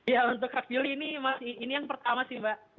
ya untuk hak pilih ini yang pertama sih mbak